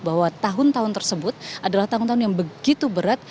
bahwa tahun tahun tersebut adalah tahun tahun yang begitu berat